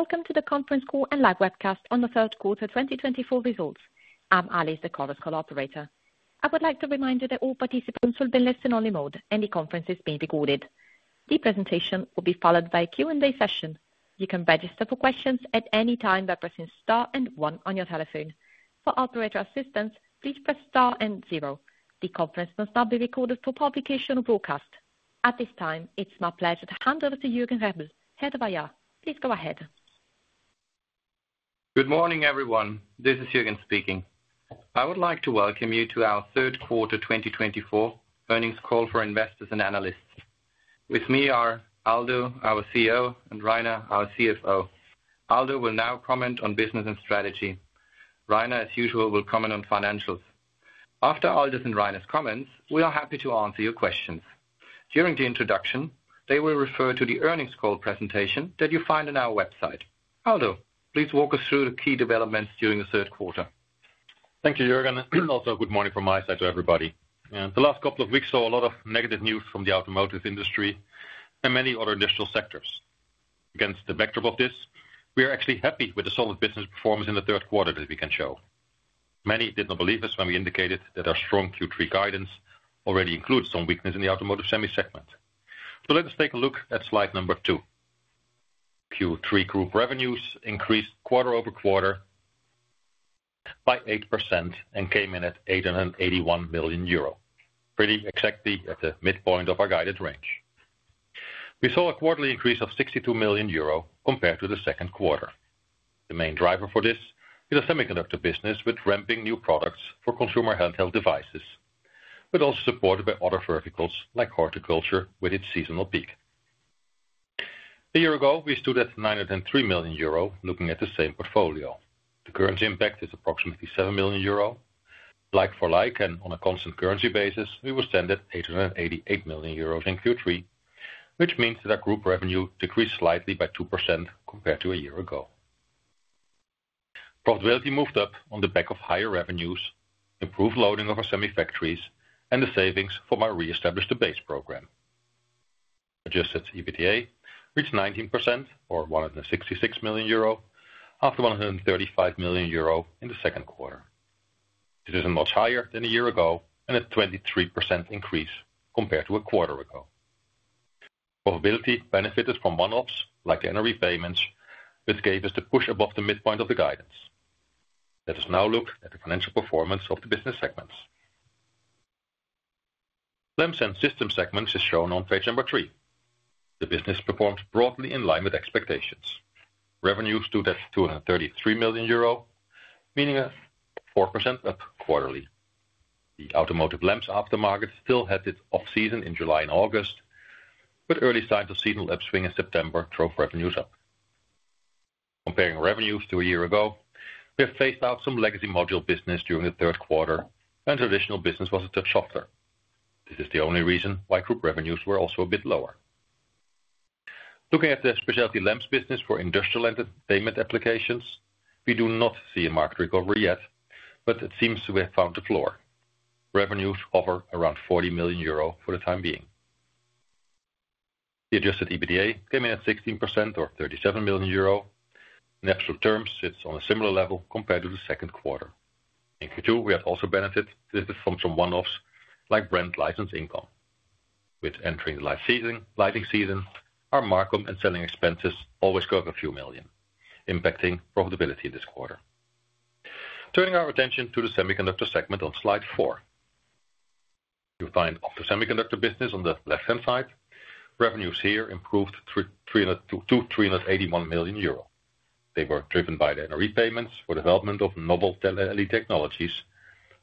Welcome to the Conference Call and Live Webcast on the third quarter 2024 results. I'm Alice, the call's operator. I would like to remind you that all participants will be in listen-only mode, and the conference is being recorded. The presentation will be followed by a Q&A session. You can register for questions at any time by pressing Star and 1 on your telephone. For operator assistance, please press Star and zero. The conference must not be recorded for publication or broadcast. At this time, it's my pleasure to hand over to Jürgen Rebel, Head of IR. Please go ahead. Good morning, everyone. This is Jürgen speaking. I would like to welcome you to our third quarter 2024 earnings call for investors and analysts. With me are Aldo, our CEO, and Rainer, our CFO. Aldo will now comment on business and strategy. Rainer, as usual, will comment on financials. After Aldo's and Rainer's comments, we are happy to answer your questions. During the introduction, they will refer to the earnings call presentation that you find on our website. Aldo, please walk us through the key developments during the third quarter. Thank you, Jürgen. Also, good morning from my side to everybody. The last couple of weeks saw a lot of negative news from the automotive industry and many other industrial sectors. Against the backdrop of this, we are actually happy with the solid business performance in the third quarter that we can show. Many did not believe us when we indicated that our strong Q3 guidance already includes some weakness in the automotive Semi segment. So let us take a look at slide number two. Q3 group revenues increased quarter over quarter by 8% and came in at 881 million euro, pretty exactly at the midpoint of our guided range. We saw a quarterly increase of 62 million euro compared to the second quarter. The main driver for this is the semiconductor business with ramping new products for consumer handheld devices, but also supported by other verticals like horticulture with its seasonal peak. A year ago, we stood at 903 million euro, looking at the same portfolio. The current impact is approximately 7 million euro. Like for like, and on a constant currency basis, we were stand at 888 million euros in Q3, which means that our group revenue decreased slightly by 2% compared to a year ago. Profitability moved up on the back of higher revenues, improved loading of our semi-factories, and the savings from our re-established base program. Adjusted EBITDA reached 19%, or 166 million euro, after 135 million euro in the second quarter. This is much higher than a year ago and a 23% increase compared to a quarter ago. Profitability benefited from one-offs like the NRE payments, which gave us the push above the midpoint of the guidance. Let us now look at the financial performance of the business segments. Lamps and system segments is shown on page number three. The business performed broadly in line with expectations. Revenues stood at €233 million, meaning a 4% up quarterly. The automotive lamps aftermarket still had its off-season in July and August, but early signs of seasonal upswing in September drove revenues up. Comparing revenues to a year ago, we have phased out some legacy module business during the third quarter, and traditional business was a touch softer. This is the only reason why group revenues were also a bit lower. Looking at the specialty lamps business for industrial entertainment applications, we do not see a market recovery yet, but it seems we have found the floor. Revenues hover around €40 million for the time being. The Adjusted EBITDA came in at 16%, or €37 million. In absolute terms, it's on a similar level compared to the second quarter. In Q2, we had also benefited from some one-offs like brand license income. With entering the lighting season, our markup and selling expenses always go up a few million, impacting profitability this quarter. Turning our attention to the semiconductor segment on slide four, you find the semiconductor business on the left-hand side. Revenues here improved to € 381 million. They were driven by the NRE payments for development of novel LED technologies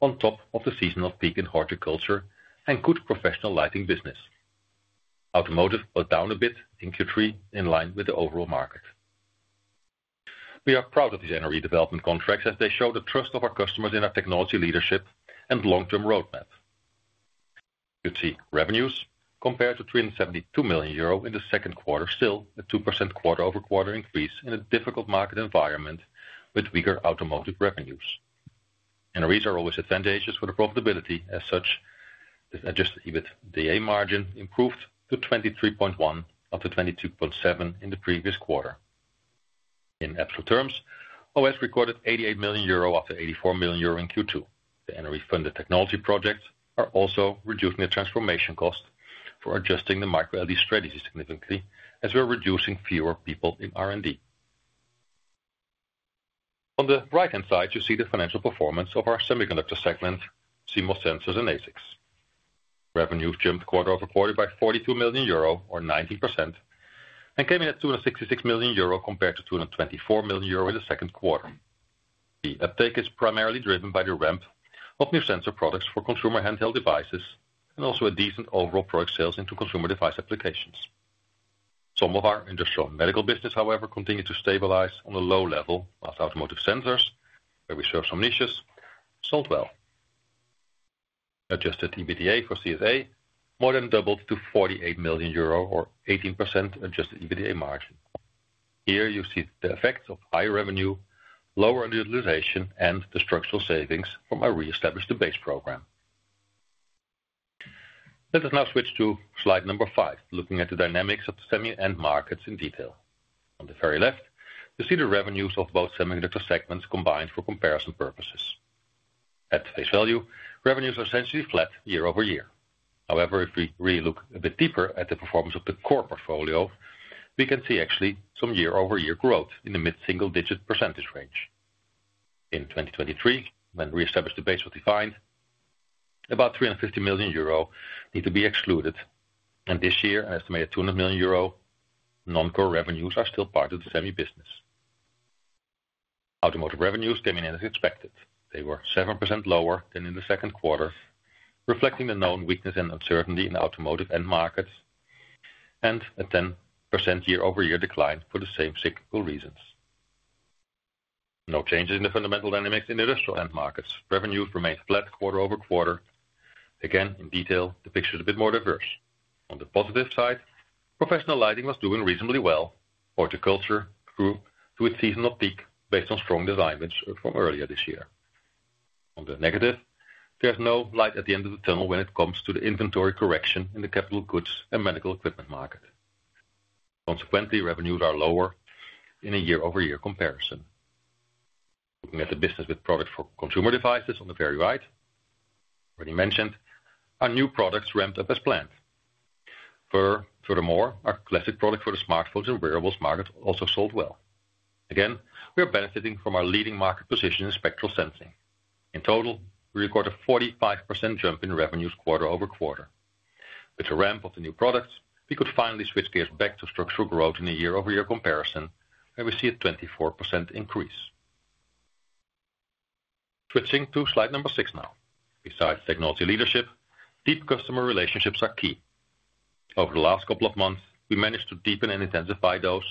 on top of the seasonal peak in horticulture and good professional lighting business. Automotive was down a bit in Q3 in line with the overall market. We are proud of these NRE development contracts as they show the trust of our customers in our technology leadership and long-term roadmap. You'd see revenues compared to € 372 million in the second quarter, still a 2% quarter-over-quarter increase in a difficult market environment with weaker automotive revenues. NREs are always advantageous for the profitability as such. The adjusted EBITDA margin improved to 23.1% after 22.7% in the previous quarter. In absolute terms, OS recorded 88 million euro after 84 million euro in Q2. The NRE-funded technology projects are also reducing the transformation cost for adjusting the micro-LED strategy significantly as we're reducing fewer people in R&D. On the right-hand side, you see the financial performance of our semiconductor segment, CMOS sensors and ASICs. Revenues jumped quarter over quarter by 42 million euro, or 19%, and came in at 266 million euro compared to 224 million euro in the second quarter. The uptake is primarily driven by the ramp of new sensor products for consumer handheld devices and also a decent overall product sales into consumer device applications. Some of our industrial medical business, however, continued to stabilize on a low level as automotive sensors, where we serve some niches, sold well. Adjusted EBITDA for CSA more than doubled to €48 million, or 18% adjusted EBITDA margin. Here you see the effects of higher revenue, lower utilization, and the structural savings from our Re-establish the Base program. Let us now switch to slide number five, looking at the dynamics of the Semi end markets in detail. On the very left, you see the revenues of both semiconductor segments combined for comparison purposes. At face value, revenues are essentially flat year over year. However, if we really look a bit deeper at the performance of the core portfolio, we can see actually some year-over-year growth in the mid-single-digit percentage range. In 2023, when Re-establish the Base was defined, about €350 million need to be excluded, and this year, an estimated €200 million non-core revenues are still part of the semi business. Automotive revenues came in as expected. They were 7% lower than in the second quarter, reflecting the known weakness and uncertainty in automotive end markets and a 10% year-over-year decline for the same cyclical reasons. No changes in the fundamental dynamics in industrial end markets. Revenues remained flat quarter over quarter. Again, in detail, the picture is a bit more diverse. On the positive side, professional lighting was doing reasonably well. Horticulture grew to its seasonal peak based on strong design wins from earlier this year. On the negative, there's no light at the end of the tunnel when it comes to the inventory correction in the capital goods and medical equipment market. Consequently, revenues are lower in a year-over-year comparison. Looking at the business with products for consumer devices on the very right, already mentioned, our new products ramped up as planned. Furthermore, our classic product for the smartphones and wearables market also sold well. Again, we are benefiting from our leading market position in spectral sensing. In total, we record a 45% jump in revenues quarter over quarter. With the ramp of the new products, we could finally switch gears back to structural growth in a year-over-year comparison, where we see a 24% increase. Switching to slide number six now. Besides technology leadership, deep customer relationships are key. Over the last couple of months, we managed to deepen and intensify those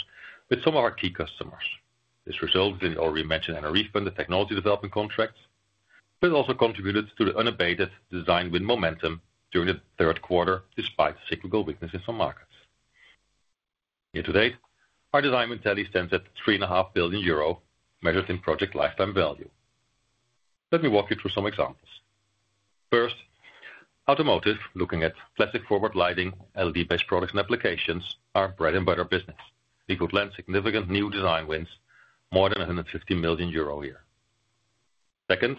with some of our key customers. This resulted in the already mentioned NRE-funded technology development contracts, but also contributed to the unabated design win momentum during the third quarter despite cyclical weaknesses in some markets. Here, to date, our design win tally stands at 3.5 billion euro, measured in project lifetime value. Let me walk you through some examples. First, automotive. Looking at classic forward lighting, LED-based products and applications are bread and butter business. We could land significant new design wins, more than 150 million euro here. Second,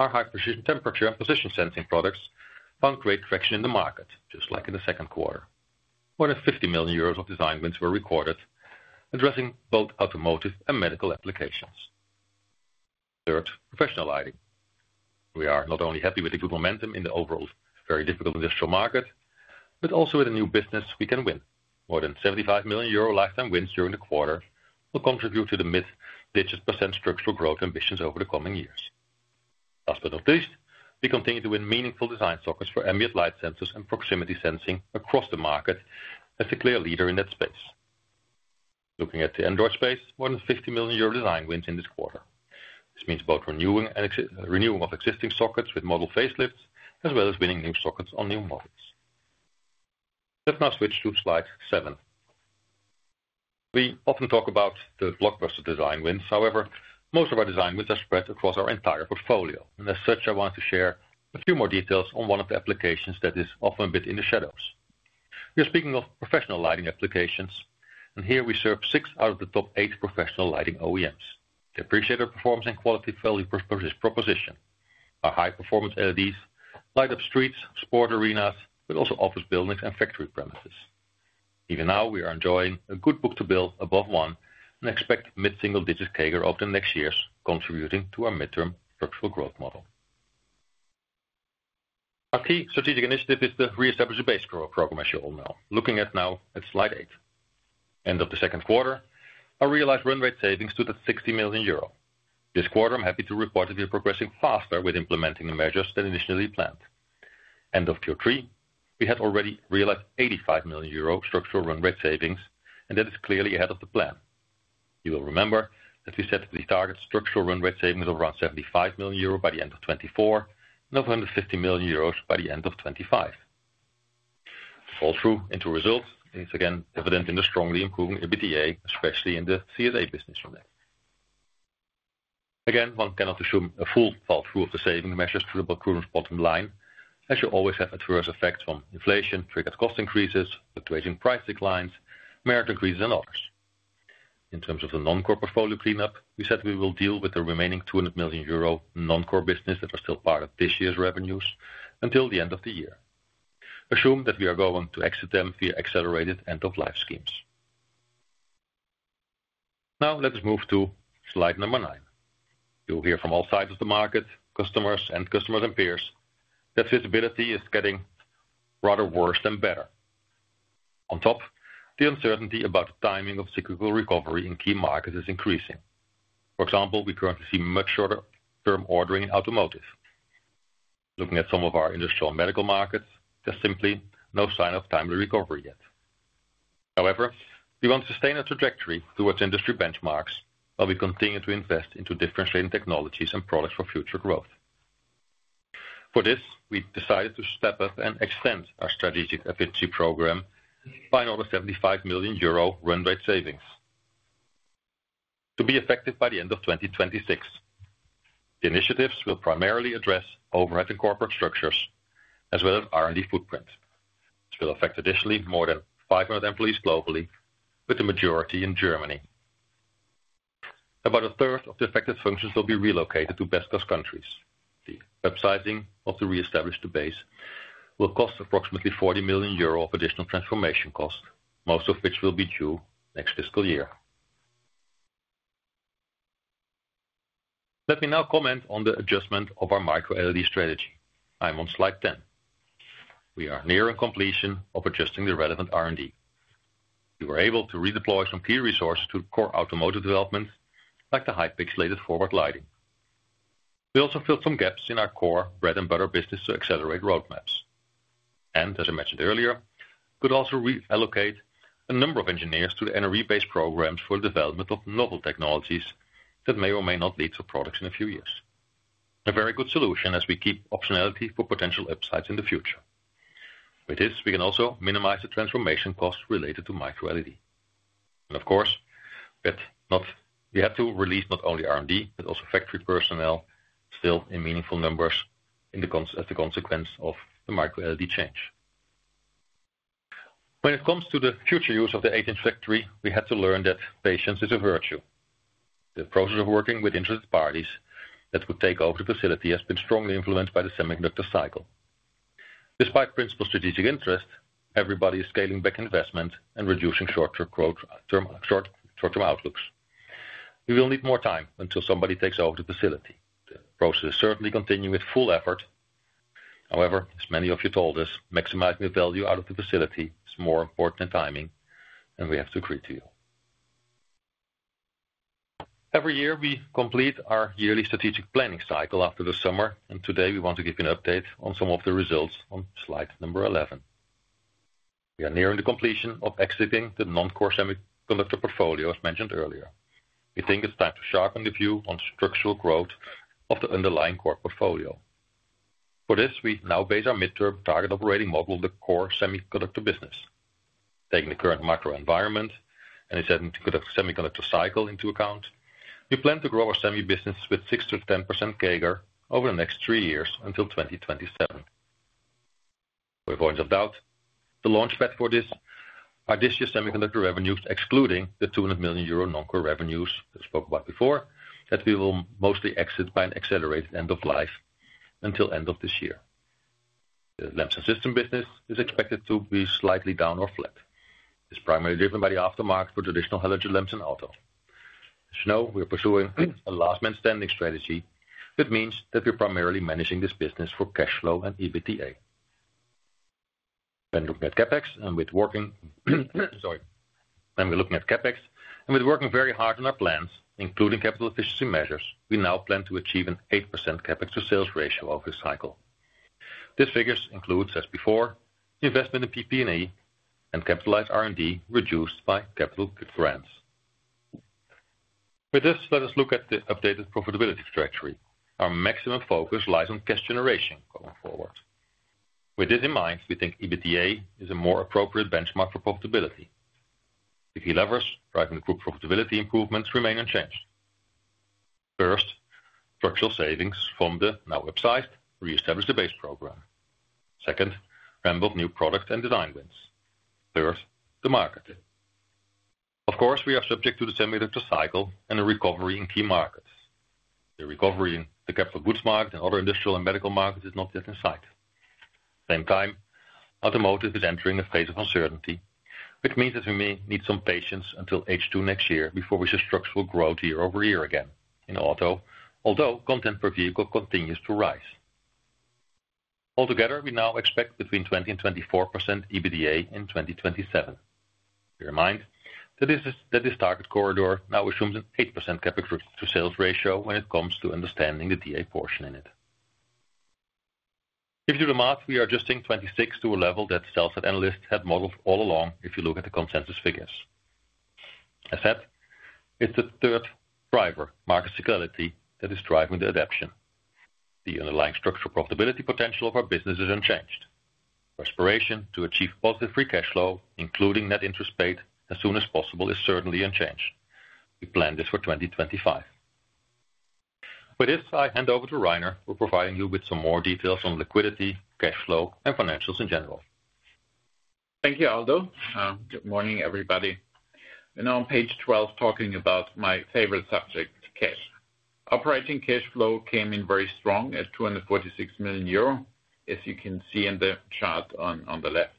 our high-precision temperature and position sensing products found great traction in the market, just like in the second quarter. More than 50 million euros of design wins were recorded, addressing both automotive and medical applications. Third, professional lighting. We are not only happy with the good momentum in the overall very difficult industrial market, but also with a new business we can win. More than 75 million euro lifetime wins during the quarter will contribute to the mid-digit percent structural growth ambitions over the coming years. Last but not least, we continue to win meaningful design sockets for ambient light sensors and proximity sensing across the market as a clear leader in that space. Looking at the Android space, more than €50 million design wins in this quarter. This means both renewing of existing sockets with model facelifts as well as winning new sockets on new models. Let's now switch to slide seven. We often talk about the blockbuster design wins. However, most of our design wins are spread across our entire portfolio, and as such, I want to share a few more details on one of the applications that is often a bit in the shadows. We are speaking of professional lighting applications, and here we serve six out of the top eight professional lighting OEMs. They appreciate our performance and quality value proposition. Our high-performance LEDs light up streets, sport arenas, but also office buildings and factory premises. Even now, we are enjoying a good book-to-bill above one and expect mid-single-digit CAGR over the next years, contributing to our mid-term structural growth model. Our key strategic initiative is the Re-establish the Base program, as you all know. Looking now at slide eight, end of the second quarter, our realized run rate savings stood at € 60 million. This quarter, I'm happy to report that we are progressing faster with implementing the measures than initially planned. End of Q3, we had already realized € 85 million structural run rate savings, and that is clearly ahead of the plan. You will remember that we set the target structural run rate savings of around € 75 million by the end of 2024 and of € 150 million by the end of 2025. The flow-through into results is again evident in the strongly improving EBITDA, especially in the CSA business unit. Again, one cannot assume a full fall through of the saving measures through the procurement bottom line, as you always have adverse effects from inflation, triggered cost increases, fluctuating price declines, merit increases, and others. In terms of the non-core portfolio cleanup, we said we will deal with the remaining 200 million euro non-core business that are still part of this year's revenues until the end of the year. Assume that we are going to exit them via accelerated end-of-life schemes. Now, let us move to slide number nine. You'll hear from all sides of the market, customers and customers and peers, that visibility is getting rather worse than better. On top, the uncertainty about the timing of cyclical recovery in key markets is increasing. For example, we currently see much shorter term ordering in automotive. Looking at some of our industrial medical markets, there's simply no sign of timely recovery yet. However, we want to sustain a trajectory towards industry benchmarks while we continue to invest into differentiating technologies and products for future growth. For this, we decided to step up and extend our strategic efficiency program by another 75 million euro run rate savings to be effective by the end of 2026. The initiatives will primarily address overhead and corporate structures as well as R&D footprint. This will affect additionally more than 500 employees globally, with the majority in Germany. About a third of the affected functions will be relocated to Best Cost countries. The upsizing of Re-establish the Base will cost approximately 40 million euro of additional transformation cost, most of which will be due next fiscal year. Let me now comment on the adjustment of our micro-LED strategy. I'm on slide 10. We are nearing completion of adjusting the relevant R&D. We were able to redeploy some key resources to core automotive development, like the high-pixelated forward lighting. We also filled some gaps in our core bread and butter business to accelerate roadmaps. And as I mentioned earlier, we could also reallocate a number of engineers to the NRE-based programs for the development of novel technologies that may or may not lead to products in a few years. A very good solution as we keep optionality for potential upsides in the future. With this, we can also minimize the transformation cost related to micro-LED. And of course, we had to release not only R&D, but also factory personnel still in meaningful numbers as the consequence of the micro-LED change. When it comes to the future use of the eighth factory, we had to learn that patience is a virtue. The process of working with interested parties that would take over the facility has been strongly influenced by the semiconductor cycle. Despite principal strategic interest, everybody is scaling back investment and reducing short-term outlooks. We will need more time until somebody takes over the facility. The process is certainly continuing with full effort. However, as many of you told us, maximizing the value out of the facility is more important than timing, and we have to agree to you. Every year, we complete our yearly strategic planning cycle after the summer, and today we want to give you an update on some of the results on slide number 11. We are nearing the completion of exiting the non-core semiconductor portfolio as mentioned earlier. We think it's time to sharpen the view on structural growth of the underlying core portfolio. For this, we now base our midterm target operating model on the core semiconductor business. Taking the current macro environment and setting the semiconductor cycle into account, we plan to grow our semi business with 6%-10% CAGR over the next three years until 2027. Without any doubt, the launchpad for this are this year's semiconductor revenues, excluding the € 200 million non-core revenues that we spoke about before, that we will mostly exit by an accelerated end of life until the end of this year. The lamps and system business is expected to be slightly down or flat. It's primarily driven by the aftermarket for traditional halogen lamps and auto. As you know, we are pursuing a last-man-standing strategy that means that we're primarily managing this business for cash flow and EBITDA. When we're looking at CapEx and working very hard on our plans, including capital efficiency measures, we now plan to achieve an 8% CapEx to sales ratio over the cycle. This figure includes, as before, investment in PP&E and capitalized R&D reduced by capital grants. With this, let us look at the updated profitability trajectory. Our maximum focus lies on cash generation going forward. With this in mind, we think EBITDA is a more appropriate benchmark for profitability. The key levers driving the group profitability improvements remain unchanged. First, structural savings from the now upsized Re-establish the Base program. Second, ramp of new products and design wins. Third, the market. Of course, we are subject to the semiconductor cycle and the recovery in key markets. The recovery in the capital goods market and other industrial and medical markets is not yet in sight. At the same time, automotive is entering a phase of uncertainty, which means that we may need some patience until H2 next year before we see structural growth year over year again in auto, although content per vehicle continues to rise. Altogether, we now expect between 20% and 24% EBITDA in 2027. Bear in mind that this target corridor now assumes an 8% CapEx to sales ratio when it comes to understanding the DA portion in it. If you do the math, we are adjusting 26% to a level that sell-side analysts had modeled all along if you look at the consensus figures. As said, it's the third driver, market cyclicity, that is driving the adaption. The underlying structural profitability potential of our business is unchanged. aspiration to achieve positive free cash flow, including net interest paid as soon as possible, is certainly unchanged. We plan this for 2025. With this, I hand over to Rainer for providing you with some more details on liquidity, cash flow, and financials in general. Thank you, Aldo. Good morning, everybody. Now on page 12, talking about my favorite subject, cash. Operating cash flow came in very strong at 246 million euro, as you can see in the chart on the left.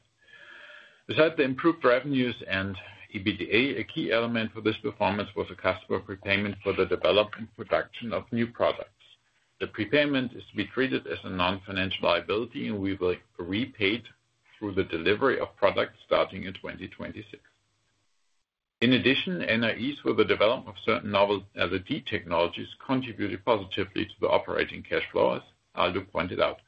Besides the improved revenues and EBITDA, a key element for this performance was a customer prepayment for the development and production of new products. The prepayment is to be treated as a non-financial liability, and we were repaid through the delivery of products starting in 2026. In addition, NREs for the development of certain novel LED technologies contributed positively to the operating cash flow, as Aldo pointed out.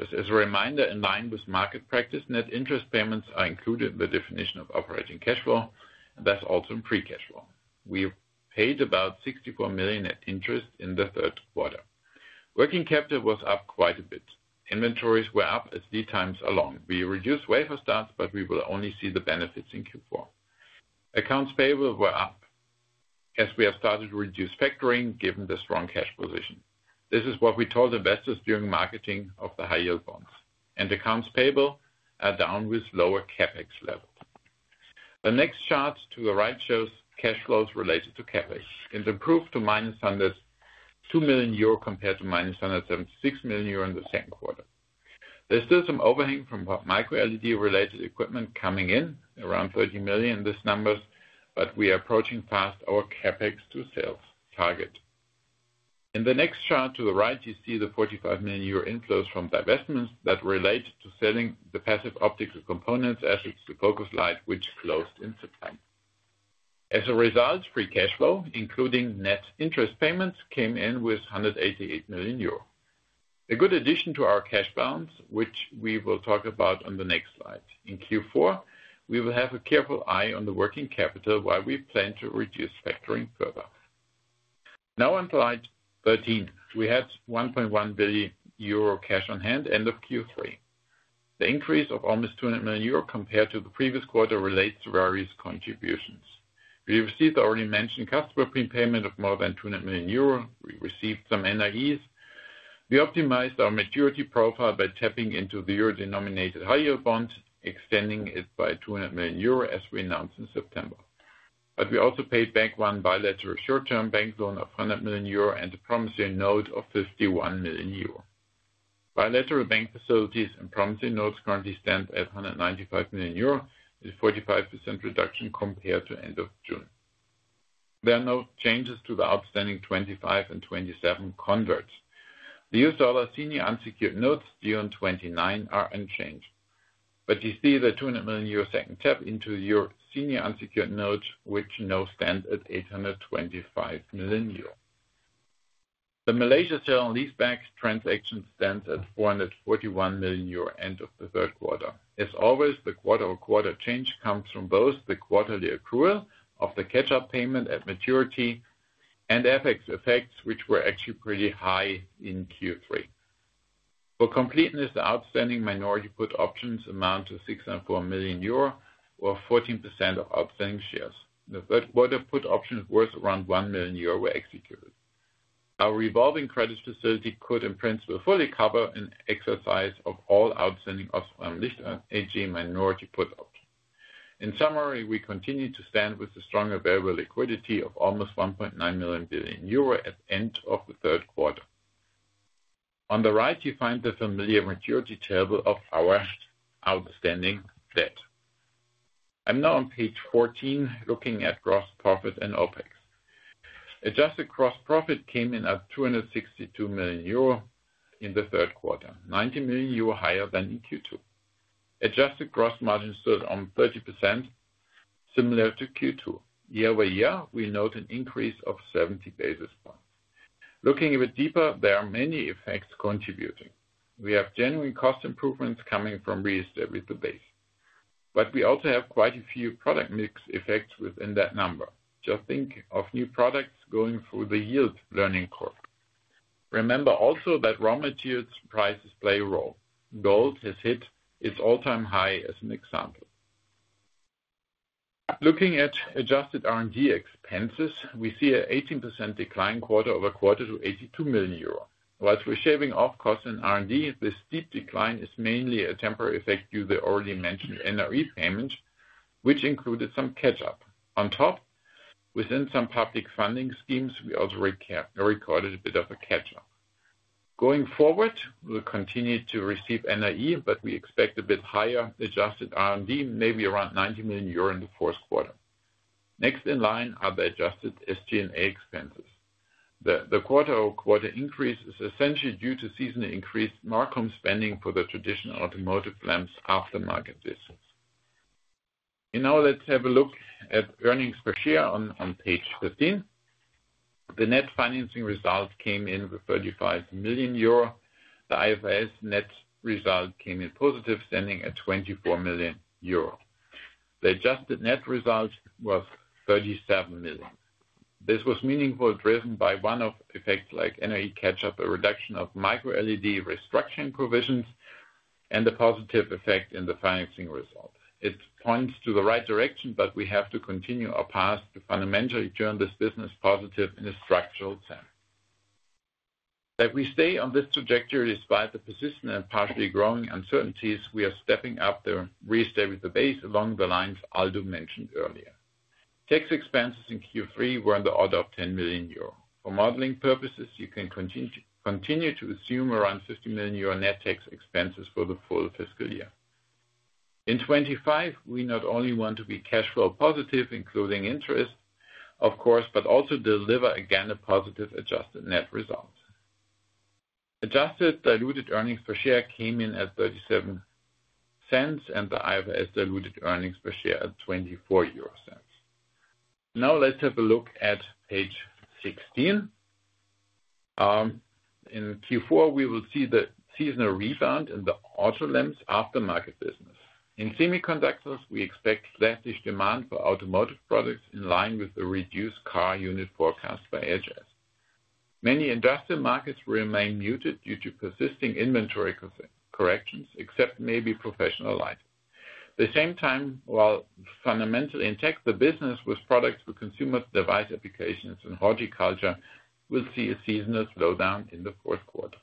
Just as a reminder, in line with market practice, net interest payments are included in the definition of operating cash flow, and thus also in free cash flow. We paid about 64 million in interest in the third quarter. Working capital was up quite a bit. Inventories were up as lead times are long. We reduced wafer starts, but we will only see the benefits in Q4. Accounts payable were up as we have started to reduce factoring given the strong cash position. This is what we told investors during marketing of the high-yield bonds, and accounts payable are down with lower CapEx levels. The next chart to the right shows cash flows related to CapEx. It improved to 202 million euro compared to 276 million euro in the second quarter. There's still some overhang from micro-LED-related equipment coming in, around 30 million in these numbers, but we are approaching fast our CapEx to sales target. In the next chart to the right, you see the 45 million euro inflows from divestments that relate to selling the passive optical components as it's the Focuslight, which closed in September. As a result, free cash flow, including net interest payments, came in with 188 million euros. A good addition to our cash balance, which we will talk about on the next slide. In Q4, we will have a careful eye on the working capital while we plan to reduce factoring further. Now, on slide 13, we had 1.1 billion euro cash on hand end of Q3. The increase of almost 200 million euro compared to the previous quarter relates to various contributions. We received the already mentioned customer prepayment of more than 200 million euro. We received some NREs. We optimized our maturity profile by tapping into the euro-denominated high-yield bond, extending it by 200 million euro as we announced in September. But we also paid back one bilateral short-term bank loan of 100 million euro and a promissory note of 51 million euro. Bilateral bank facilities and promissory notes currently stand at 195 million euro with a 45% reduction compared to end of June. There are no changes to the outstanding 25 and 27 converts. The US dollar senior unsecured notes due in '29 are unchanged. But you see the 200 million euro second tap into Euro senior unsecured note, which now stands at 825 million euro. The Malaysia sale and lease back transaction stands at 441 million euro end of the third quarter. As always, the quarter-on-quarter change comes from both the quarterly accrual of the catch-up payment at maturity and FX effects, which were actually pretty high in Q3. For completeness, the outstanding minority put options amount to 604 million euro or 14% of outstanding shares. The third-quarter put options worth around 1 million euro were executed. Our revolving credit facility could, in principle, fully cover an exercise of all outstanding Osram Licht AG minority put options. In summary, we continue to stand with a strong available liquidity of almost 1.9 billion euro at the end of the third quarter. On the right, you find the familiar maturity table of our outstanding debt. I'm now on page 14, looking at gross profit and OpEx. Adjusted gross profit came in at 262 million euro in the third quarter, 90 million euro higher than in Q2. Adjusted gross margin stood on 30%, similar to Q2. Year over year, we note an increase of 70 basis points. Looking a bit deeper, there are many effects contributing. We have genuine cost improvements coming from Re-establish the Base. But we also have quite a few product mix effects within that number. Just think of new products going through the yield learning curve. Remember also that raw materials prices play a role. Gold has hit its all-time high as an example. Looking at adjusted R&D expenses, we see an 18% decline quarter over quarter to 82 million euro. While we're shaving off costs in R&D, this deep decline is mainly a temporary effect due to the already mentioned NRE payment, which included some catch-up. On top, within some public funding schemes, we also recorded a bit of a catch-up. Going forward, we'll continue to receive NRE, but we expect a bit higher adjusted R&D, maybe around 90 million euro in the fourth quarter. Next in line are the adjusted SG&A expenses. The quarter-over-quarter increase is essentially due to seasonally increased marcom spending for the traditional automotive lamps aftermarket business. Now, let's have a look at earnings per share on page 15. The net financing result came in with 35 million euro. The IFRS net result came in positive, standing at 24 million euro. The adjusted net result was 37 million. This was meaningfully driven by one-off effects like NRE catch-up, a reduction of micro-LED restructuring provisions, and a positive effect in the financing result. It points to the right direction, but we have to continue our path to fundamentally turn this business positive in a structural sense. That we stay on this trajectory despite the persistent and partially growing uncertainties, we are stepping up re-establish the base along the lines Aldo mentioned earlier. Tax expenses in Q3 were in the order of 10 million euro. For modeling purposes, you can continue to assume around 50 million euro net tax expenses for the full fiscal year. In 2025, we not only want to be cash flow positive, including interest, of course, but also deliver again a positive adjusted net result. Adjusted diluted earnings per share came in at 0.37, and the IFRS diluted earnings per share at 0.24. Now, let's have a look at page 16. In Q4, we will see the seasonal rebound in the auto lamps aftermarket business. In semiconductors, we expect sluggish demand for automotive products in line with the reduced car unit forecast by IHS. Many industrial markets will remain muted due to persisting inventory corrections, except maybe professional lighting. At the same time, while fundamentally intact, the business with products for consumer device applications and horticulture will see a seasonal slowdown in the fourth quarter.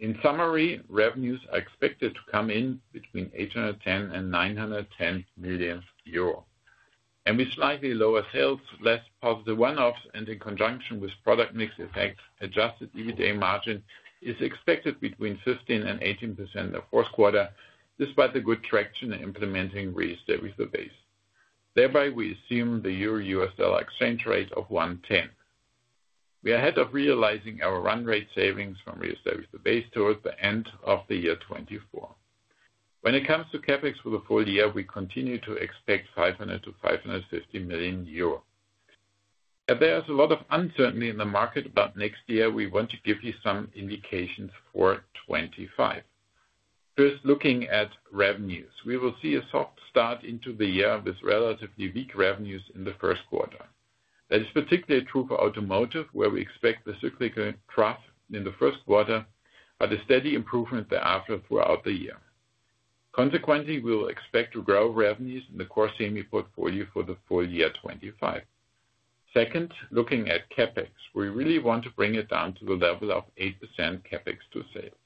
In summary, revenues are expected to come in between 810 and 910 million euro. With slightly lower sales, less positive one-offs, and in conjunction with product mix effects, Adjusted EBITDA margin is expected between 15%-18% in the fourth quarter, despite the good traction in implementing Re-establish the Base. Thereby, we assume the EUR/USD exchange rate of 1.10. We are ahead of realizing our run rate savings from Re-establish the Base towards the end of the year 2024. When it comes to CapEx for the full year, we continue to expect €500-€550 million. There is a lot of uncertainty in the market, but next year, we want to give you some indications for 2025. First, looking at revenues, we will see a soft start into the year with relatively weak revenues in the first quarter. That is particularly true for automotive, where we expect the cyclical trough in the first quarter, but a steady improvement thereafter throughout the year. Consequently, we will expect to grow revenues in the core semi portfolio for the full year 2025. Second, looking at CapEx, we really want to bring it down to the level of 8% CapEx to sales.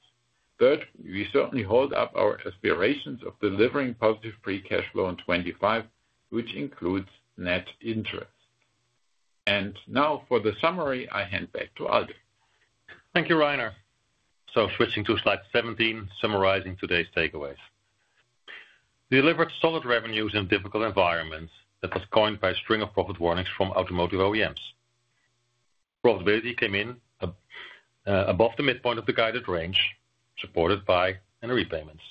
Third, we certainly hold up our aspirations of delivering positive free cash flow in 2025, which includes net interest. And now, for the summary, I hand back to Aldo. Thank you, Rainer. So switching to slide 17, summarizing today's takeaways. We delivered solid revenues in difficult environments that was coined by a string of profit warnings from automotive OEMs. Profitability came in above the midpoint of the guided range, supported by NRE payments.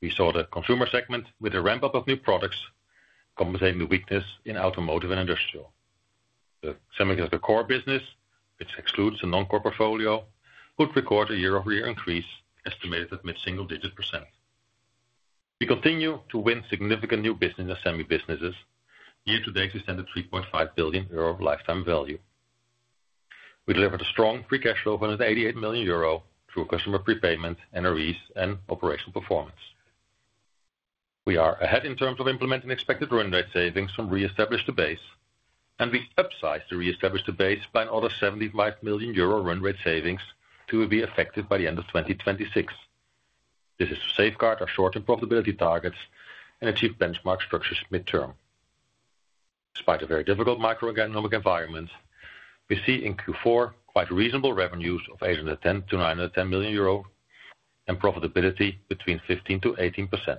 We saw the consumer segment with a ramp-up of new products compensating the weakness in automotive and industrial. The semiconductor core business, which excludes the non-core portfolio, would record a year-over-year increase estimated at mid-single-digit percent. We continue to win significant new business and semi businesses. Year-to-date extended 3.5 billion euro lifetime value. We delivered a strong free cash flow of 188 million euro through customer prepayment, NREs, and operational performance. We are ahead in terms of implementing expected run rate savings from Re-establish the Base, and we upsized the Re-establish the Base by another 75 million euro run rate savings to be effected by the end of 2026. This is to safeguard our short-term profitability targets and achieve benchmark structures midterm. Despite a very difficult macroeconomic environment, we see in Q4 quite reasonable revenues of 810 million to 910 million euro and profitability between 15% to 18%,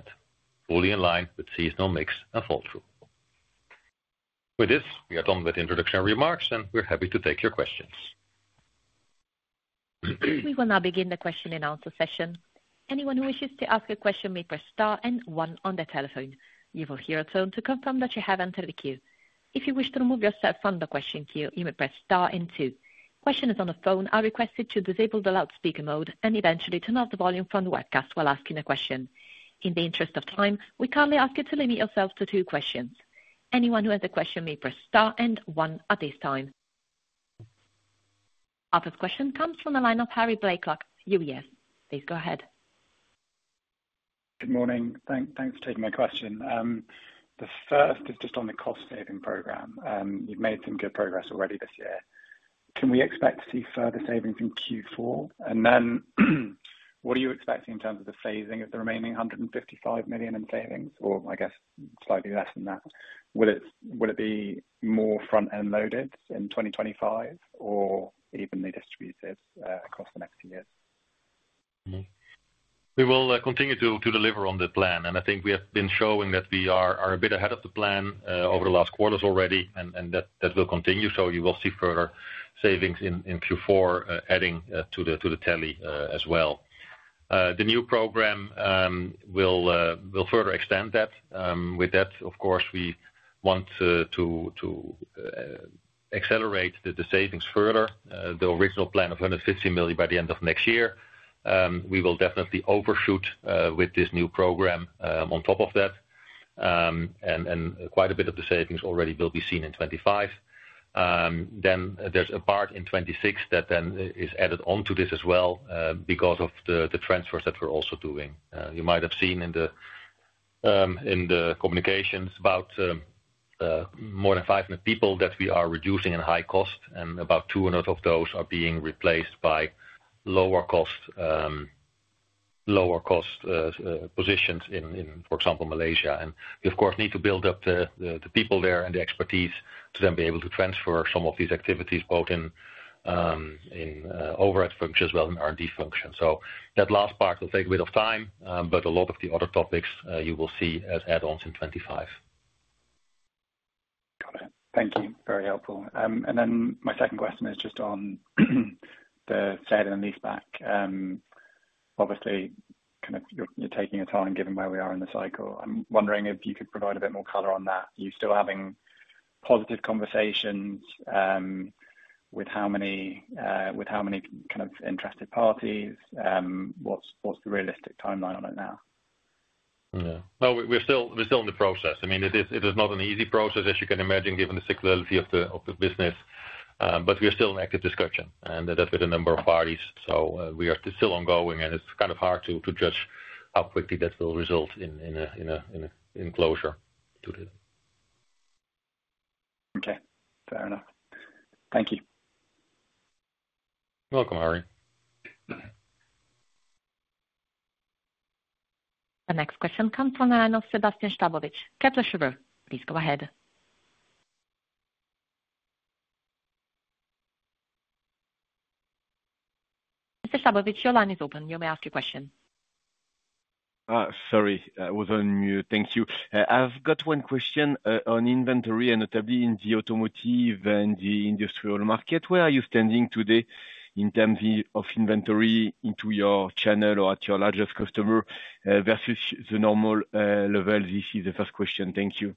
fully in line with seasonal mix and flow-through. With this, we are done with introduction remarks, and we're happy to take your questions. We will now begin the question-and-answer session. Anyone who wishes to ask a question may press star and one on the telephone. You will hear a tone to confirm that you have entered the queue. If you wish to remove yourself from the question queue, you may press star and two. Questioners on the phone are requested to disable the loudspeaker mode and eventually turn off the volume from the webcast while asking a question. In the interest of time, we kindly ask you to limit yourselves to two questions. Anyone who has a question may press star and one at this time. Our first question comes from the line of Harry Blaiklock, UBS. Please go ahead. Good morning. Thanks for taking my question. The first is just on the cost saving program. You've made some good progress already this year. Can we expect to see further savings in Q4? And then what are you expecting in terms of the phasing of the remaining 155 million in savings, or I guess slightly less than that? Will it be more front-end loaded in 2025 or evenly distributed across the next year? We will continue to deliver on the plan, and I think we have been showing that we are a bit ahead of the plan over the last quarters already, and that will continue. So you will see further savings in Q4 adding to the tally as well. The new program will further extend that. With that, of course, we want to accelerate the savings further. The original plan of 150 million by the end of next year, we will definitely overshoot with this new program on top of that. And quite a bit of the savings already will be seen in 2025. Then there's a part in 2026 that then is added onto this as well because of the transfers that we're also doing. You might have seen in the communications about more than 500 people that we are reducing in high cost, and about 200 of those are being replaced by lower cost positions in, for example, Malaysia. And we, of course, need to build up the people there and the expertise to then be able to transfer some of these activities both in overhead functions as well as in R&D functions. So that last part will take a bit of time, but a lot of the other topics you will see as add-ons in 2025. Got it. Thank you. Very helpful. And then my second question is just on the sale and lease back. Obviously, you're taking your time given where we are in the cycle. I'm wondering if you could provide a bit more color on that. Are you still having positive conversations with how many kind of interested parties? What's the realistic timeline on it now? No, we're still in the process. I mean, it is not an easy process, as you can imagine, given the cyclicality of the business. But we're still in active discussion, and that's with a number of parties. So we are still ongoing, and it's kind of hard to judge how quickly that will result in closure to this. Okay. Fair enough. Thank you. You're welcome, Harry. The next question comes from the line of Sébastien Sztabowicz. Kepler Cheuvreux, please go ahead. Mr. Sztabowicz, your line is open. You may ask your question. Sorry, I was on mute. Thank you. I've got one question on inventory, and notably in the automotive and the industrial market. Where are you standing today in terms of inventory into your channel or at your largest customer versus the normal level? This is the first question. Thank you.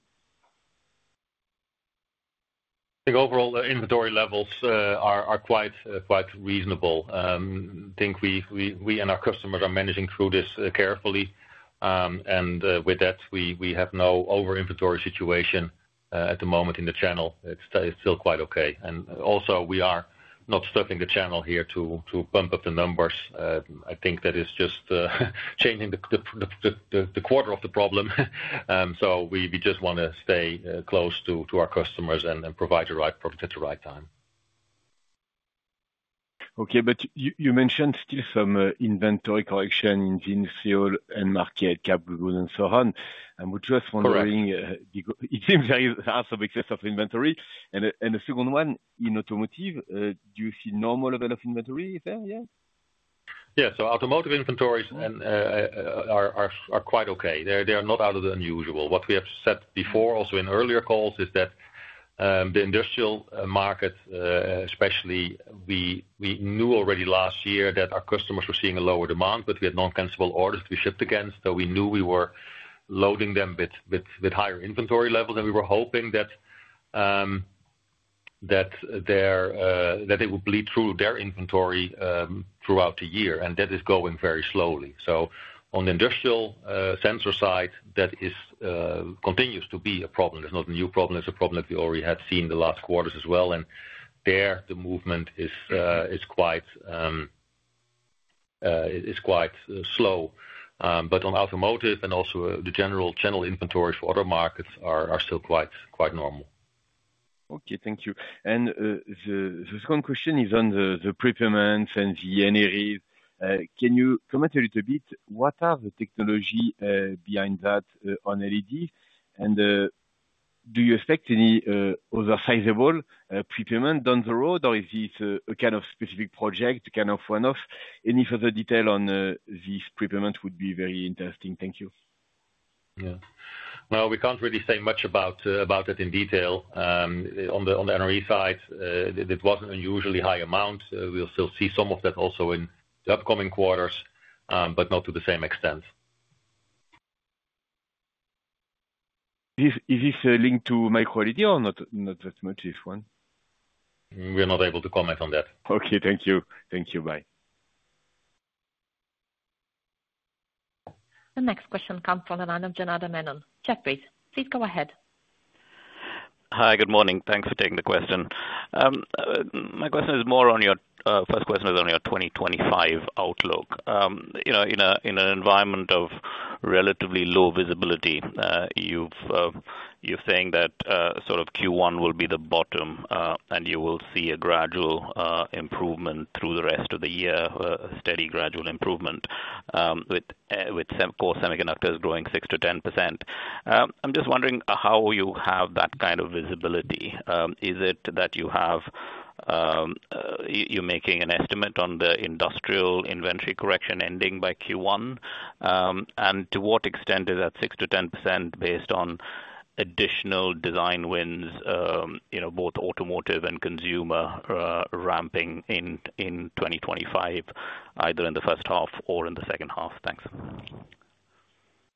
I think overall inventory levels are quite reasonable. I think we and our customers are managing through this carefully, and with that, we have no over-inventory situation at the moment in the channel. It's still quite okay, and also, we are not stuffing the channel here to pump up the numbers. I think that is just changing the quarter of the problem, so we just want to stay close to our customers and provide the right product at the right time. Okay, but you mentioned still some inventory correction in the industrial and medical and so on. I'm just wondering, it seems there is some excess of inventory. And the second one, in automotive, do you see normal level of inventory there yet? Yeah, so automotive inventories are quite okay. They are not out of the unusual. What we have said before, also in earlier calls, is that the industrial market, especially, we knew already last year that our customers were seeing a lower demand, but we had noncancelable orders to be shipped against. So we knew we were loading them with higher inventory levels, and we were hoping that they would bleed through their inventory throughout the year. And that is going very slowly. So on the industrial sensor side, that continues to be a problem. It's not a new problem. It's a problem that we already had seen the last quarters as well. And there, the movement is quite slow. But on automotive and also the general channel inventory for other markets are still quite normal. Okay, thank you. And the second question is on the prepayments and the NRE. Can you comment a little bit? What are the technologies behind that on LED? And do you expect any other sizable prepayment down the road, or is this a kind of specific project, kind of one-off? Any further detail on these prepayments would be very interesting. Thank you. Yeah. Well, we can't really say much about it in detail. On the NRE side, it wasn't an unusually high amount. We'll still see some of that also in the upcoming quarters, but not to the same extent. Is this linked to my quality or not as much this one? We're not able to comment on that. Okay, thank you. Thank you. Bye. The next question comes from the line of Janardan Menon. Jefferies, please. Please go ahead. Hi, good morning. Thanks for taking the question. My first question is on your 2025 outlook. In an environment of relatively low visibility, you're saying that sort of Q1 will be the bottom, and you will see a gradual improvement through the rest of the year, steady gradual improvement, with core semiconductors growing 6%-10%. I'm just wondering how you have that kind of visibility. Is it that you're making an estimate on the industrial inventory correction ending by Q1? And to what extent is that 6%-10% based on additional design wins, both automotive and consumer ramping in 2025, either in the first half or in the second half? Thanks.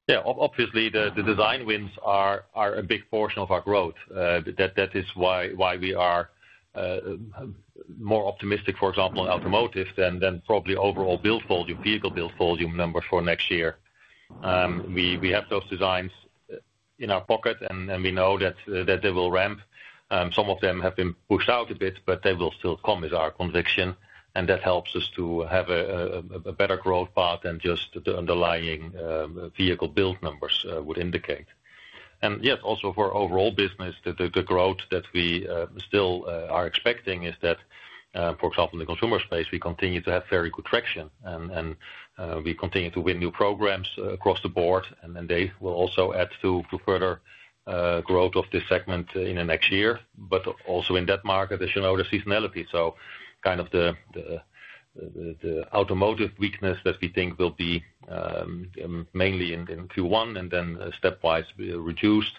Yeah, obviously, the design wins are a big portion of our growth. That is why we are more optimistic, for example, in automotive than probably overall build volume, vehicle build volume numbers for next year. We have those designs in our pocket, and we know that they will ramp. Some of them have been pushed out a bit, but they will still come, is our conviction. And that helps us to have a better growth path than just the underlying vehicle build numbers would indicate. And yes, also for overall business, the growth that we still are expecting is that, for example, in the consumer space, we continue to have very good traction, and we continue to win new programs across the board. And they will also add to further growth of this segment in the next year. But also in that market, as you know, there's seasonality. So kind of the automotive weakness that we think will be mainly in Q1 and then stepwise reduced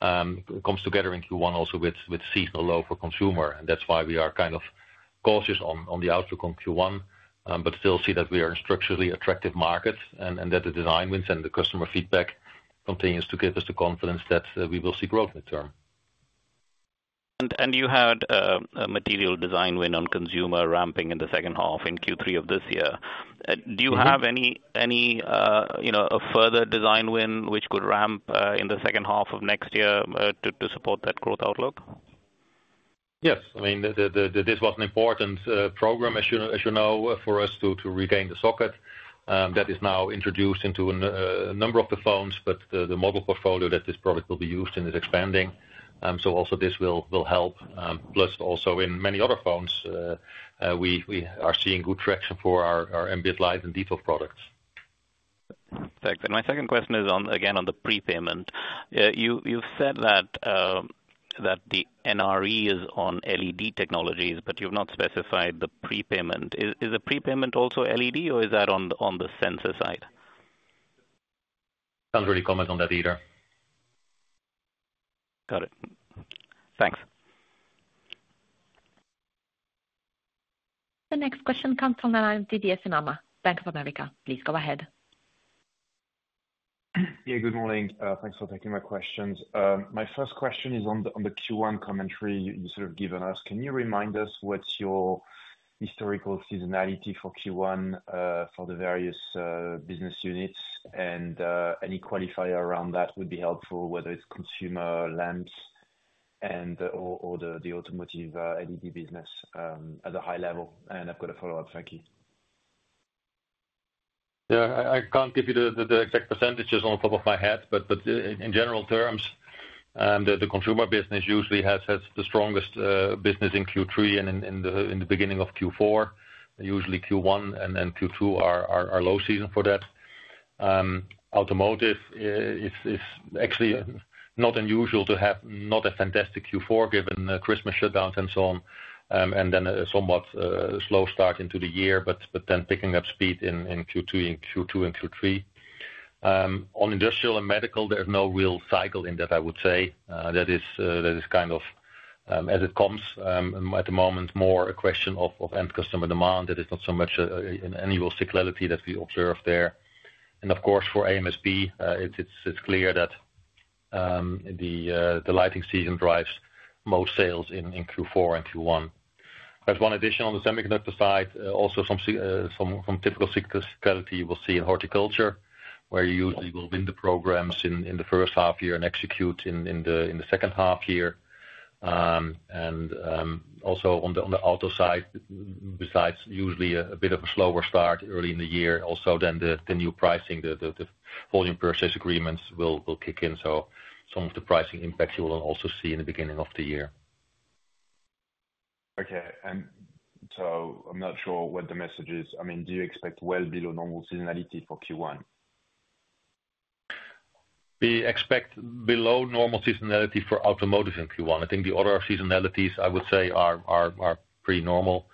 comes together in Q1 also with seasonal low for consumer. That's why we are kind of cautious on the outlook on Q1, but still see that we are in structurally attractive markets and that the design wins and the customer feedback continues to give us the confidence that we will see growth in the long term. You had a material design win on consumer ramping in the second half in Q3 of this year. Do you have any further design win which could ramp in the second half of next year to support that growth outlook? Yes. I mean, this was an important program, as you know, for us to regain the socket. That is now introduced into a number of the phones, but the model portfolio that this product will be used in is expanding. This will also help. Plus, also in many other phones, we are seeing good traction for our ambient light and VCSEL products. Thanks. And my second question is, again, on the prepayment. You've said that the NRE is on LED technologies, but you've not specified the prepayment. Is the prepayment also LED, or is that on the sensor side? Can't really comment on that either. Got it. Thanks. The next question comes from the line of Didier Scemama, Bank of America. Please go ahead. Yeah, good morning. Thanks for taking my questions. My first question is on the Q1 commentary you sort of given us. Can you remind us what's your historical seasonality for Q1 for the various business units? And any qualifier around that would be helpful, whether it's consumer, lamps, or the automotive LED business at a high level. And I've got a follow-up. Thank you. Yeah, I can't give you the exact percentages off the top of my head, but in general terms, the consumer business usually has the strongest business in Q3 and in the beginning of Q4. Usually, Q1 and Q2 are low season for that. Automotive is actually not unusual to have not a fantastic Q4 given Christmas shutdowns and so on, and then a somewhat slow start into the year, but then picking up speed in Q2 and Q3. On industrial and medical, there's no real cycle in that, I would say. That is kind of as it comes at the moment, more a question of end customer demand. That is not so much an annual cyclicality that we observe there, and of course, for AMSP, it's clear that the lighting season drives most sales in Q4 and Q1. There's one addition on the semiconductor side, also some typical cyclicality you will see in horticulture, where you usually will win the programs in the first half year and execute in the second half year, and also on the auto side, besides usually a bit of a slower start early in the year, also then the new pricing, the volume purchase agreements will kick in, so some of the pricing impacts you will also see in the beginning of the year. Okay, and so I'm not sure what the message is. I mean, do you expect well below normal seasonality for Q1? We expect below normal seasonality for automotive in Q1. I think the other seasonalities, I would say, are pretty normal,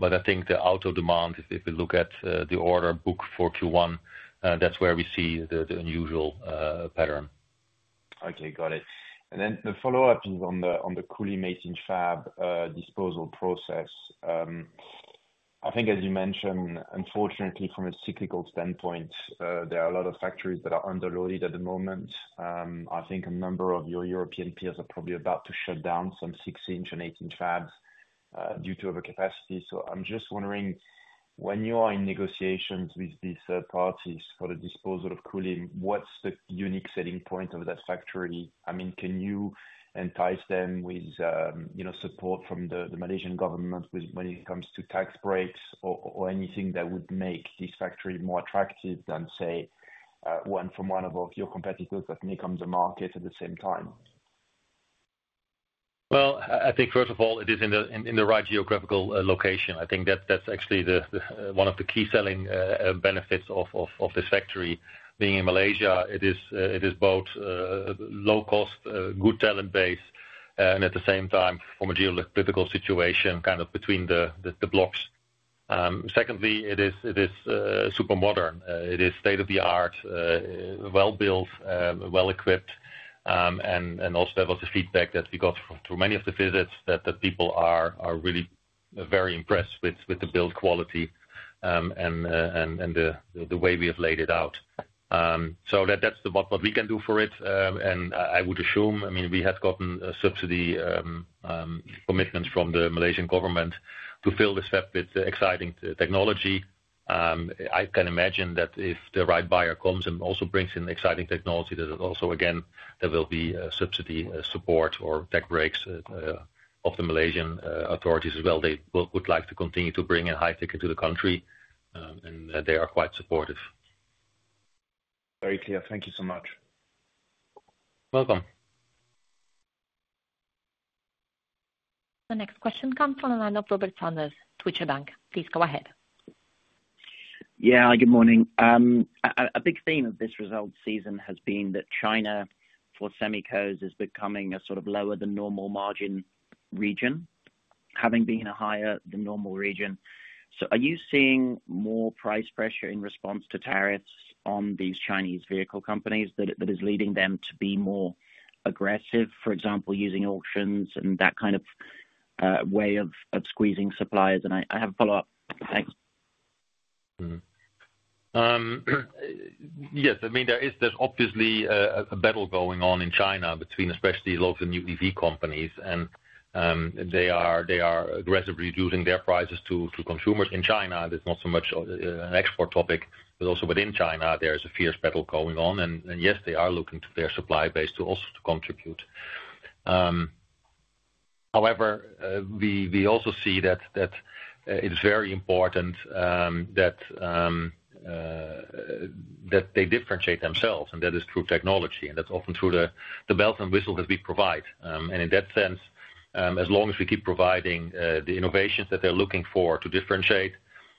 but I think the auto demand, if we look at the order book for Q1, that's where we see the unusual pattern. Okay, got it. The follow-up is on the Kulim fab disposal process. I think, as you mentioned, unfortunately, from a cyclical standpoint, there are a lot of factories that are underloaded at the moment. I think a number of your European peers are probably about to shut down some 16-inch and 18-inch fabs due to overcapacity. So I'm just wondering, when you are in negotiations with these third parties for the disposal of Kulim, what's the unique selling point of that factory? I mean, can you entice them with support from the Malaysian government when it comes to tax breaks or anything that would make this factory more attractive than, say, one from one of your competitors that may come to market at the same time? I think, first of all, it is in the right geographical location. I think that's actually one of the key selling benefits of this factory. Being in Malaysia, it is both low-cost, good talent base, and at the same time, from a geopolitical situation kind of between the blocs. Secondly, it is super modern. It is state-of-the-art, well-built, well-equipped, and also that was the feedback that we got through many of the visits, that people are really very impressed with the build quality and the way we have laid it out, so that's what we can do for it, and I would assume, I mean, we had gotten subsidy commitments from the Malaysian government to fill this gap with exciting technology. I can imagine that if the right buyer comes and also brings in exciting technology, that also, again, there will be subsidy support or tax breaks of the Malaysian authorities as well. They would like to continue to bring in high tech into the country, and they are quite supportive. Very clear. Thank you so much. Welcome. The next question comes from the line of Robert Sanders, Deutsche Bank. Please go ahead. Yeah, hi, good morning. A big theme of this result season has been that China for semiconductors is becoming a sort of lower-than-normal margin region, having been in a higher-than-normal region. So are you seeing more price pressure in response to tariffs on these Chinese vehicle companies that is leading them to be more aggressive, for example, using auctions and that kind of way of squeezing suppliers? And I have a follow-up. Thanks. Yes. I mean, there's obviously a battle going on in China between, especially, lots of new EV companies. And they are aggressively reducing their prices to consumers. In China, there's not so much an export topic, but also within China, there is a fierce battle going on. Yes, they are looking to their supply base to also contribute. However, we also see that it is very important that they differentiate themselves, and that is through technology. That's often through the bells and whistles that we provide. In that sense, as long as we keep providing the innovations that they're looking for to differentiate,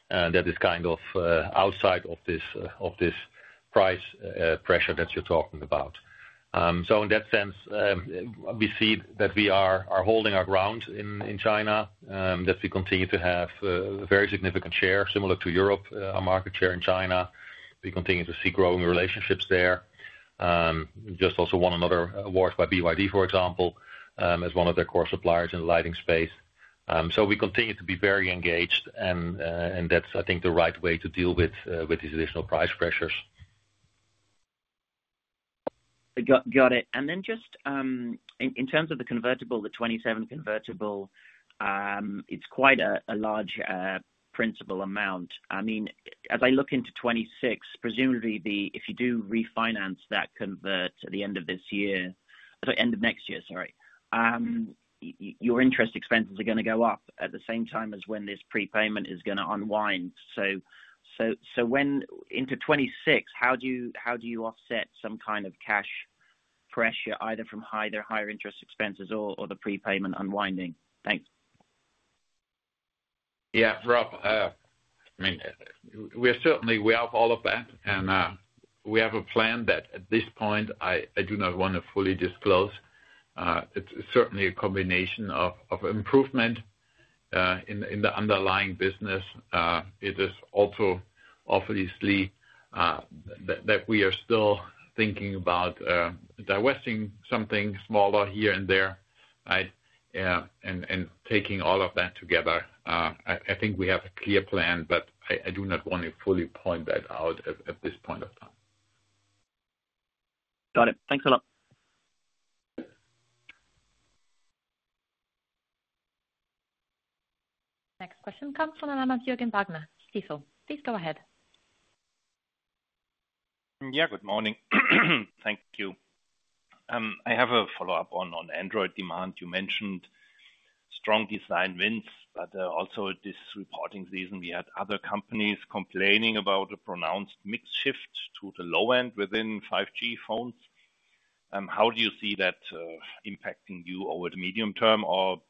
that is kind of outside of this price pressure that you're talking about. In that sense, we see that we are holding our ground in China, that we continue to have a very significant share, similar to Europe, our market share in China. We continue to see growing relationships there. Just also won another award by BYD, for example, as one of their core suppliers in the lighting space. We continue to be very engaged, and that's, I think, the right way to deal with these additional price pressures. Got it. And then just in terms of the convertible, the 2027 convertible, it's quite a large principal amount. I mean, as I look into 2026, presumably, if you do refinance that convert at the end of this year, at the end of next year, sorry, your interest expenses are going to go up at the same time as when this prepayment is going to unwind. So into 2026, how do you offset some kind of cash pressure, either from higher interest expenses or the prepayment unwinding? Thanks. Yeah, Rob, I mean, we have all of that, and we have a plan that at this point, I do not want to fully disclose. It's certainly a combination of improvement in the underlying business. It is also, obviously, that we are still thinking about divesting something smaller here and there, right, and taking all of that together. I think we have a clear plan, but I do not want to fully point that out at this point of time. Got it. Thanks a lot. Next question comes from the line of Jürgen Wagner, Stifel. Please go ahead. Yeah, good morning. Thank you. I have a follow-up on Android demand. You mentioned strong design wins, but also this reporting season, we had other companies complaining about a pronounced mix shift to the low end within 5G phones. How do you see that impacting you over the medium term, or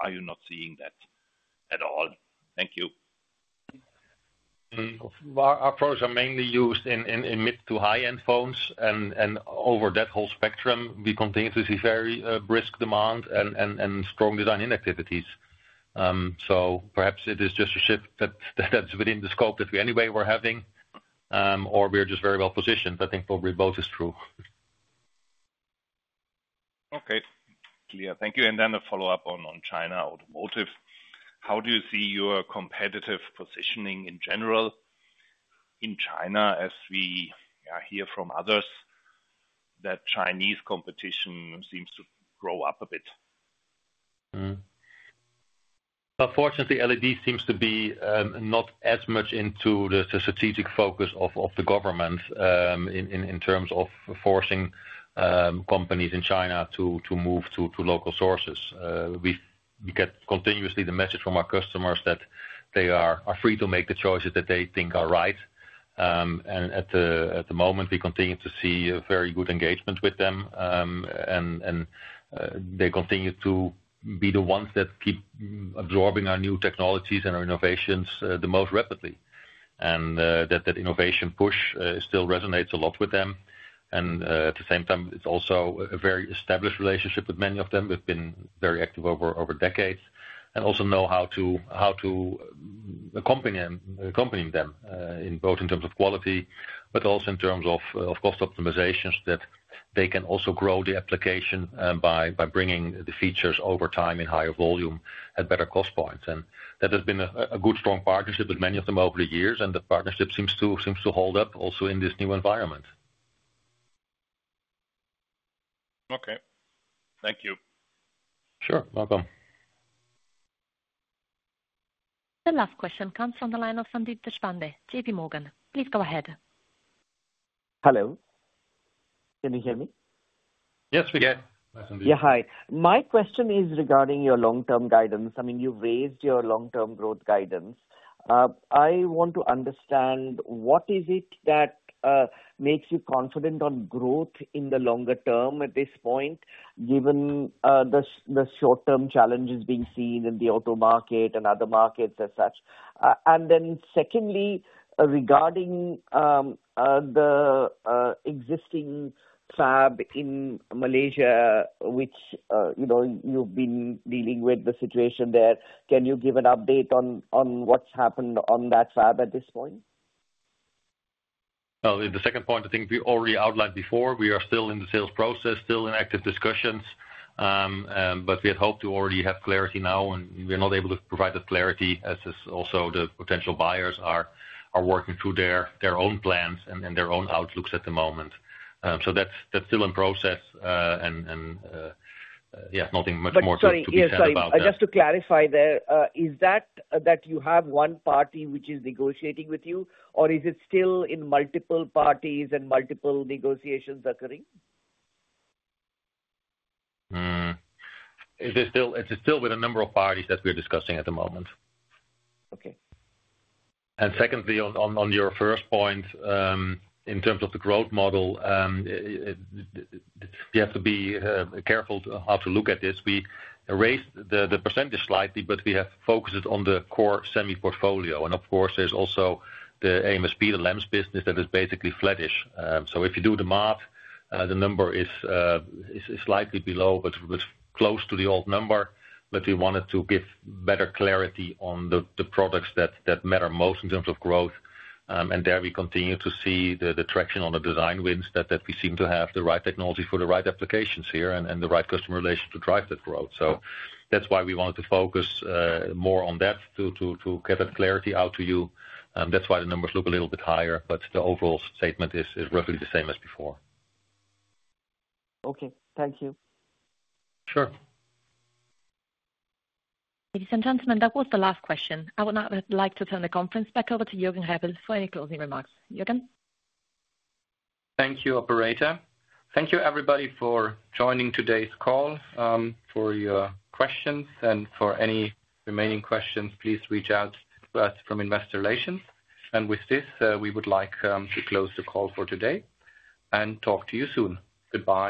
are you not seeing that at all? Thank you. Our phones are mainly used in mid-to-high-end phones, and over that whole spectrum, we continue to see very brisk demand and strong design activities. So perhaps it is just a shift that's within the scope that we anyway were having, or we're just very well positioned. I think probably both is true. Okay. Clear. Thank you. And then a follow-up on China automotive. How do you see your competitive positioning in general in China as we hear from others that Chinese competition seems to grow up a bit? Unfortunately, LED seems to be not as much into the strategic focus of the government in terms of forcing companies in China to move to local sources. We get continuously the message from our customers that they are free to make the choices that they think are right. And at the moment, we continue to see very good engagement with them, and they continue to be the ones that keep absorbing our new technologies and our innovations the most rapidly. And that innovation push still resonates a lot with them. And at the same time, it's also a very established relationship with many of them. We've been very active over decades and also know how to accompany them both in terms of quality but also in terms of cost optimizations that they can also grow the application by bringing the features over time in higher volume at better cost points. And that has been a good, strong partnership with many of them over the years, and the partnership seems to hold up also in this new environment. Okay. Thank you. Sure. Welcome. The last question comes from the line of Sandeep Deshpande, J.P. Morgan. Please go ahead. Hello. Can you hear me? Yes, we can. Yeah, hi. My question is regarding your long-term guidance. I mean, you've raised your long-term growth guidance. I want to understand what is it that makes you confident on growth in the longer term at this point, given the short-term challenges being seen in the auto market and other markets as such? And then secondly, regarding the existing fab in Malaysia, which you've been dealing with the situation there, can you give an update on what's happened on that fab at this point? Well, the second point, I think we already outlined before. We are still in the sales process, still in active discussions, but we had hoped to already have clarity now, and we're not able to provide that clarity as also the potential buyers are working through their own plans and their own outlooks at the moment. So that's still in process, and yeah, nothing much more to be said about that. Sorry, sorry. I just to clarify there, is it that you have one party which is negotiating with you, or is it still in multiple parties and multiple negotiations occurring? It's still with a number of parties that we're discussing at the moment. And secondly, on your first point, in terms of the growth model, you have to be careful how to look at this. We raised the percentage slightly, but we have focused on the core semi portfolio. And of course, there's also the AMSP, the Lamps business that is basically flattish. So if you do the math, the number is slightly below but close to the old number. But we wanted to give better clarity on the products that matter most in terms of growth. And there we continue to see the traction on the design wins that we seem to have the right technology for the right applications here and the right customer relation to drive that growth. So that's why we wanted to focus more on that to get that clarity out to you. That's why the numbers look a little bit higher, but the overall statement is roughly the same as before. Okay. Thank you. Sure. Ladies and gentlemen, that was the last question. I would now like to turn the conference back over to Jürgen Rebel for any closing remarks. Jürgen? Thank you, Operator. Thank you, everybody, for joining today's call, for your questions. And for any remaining questions, please reach out to us from Investor Relations. And with this, we would like to close the call for today and talk to you soon. Goodbye.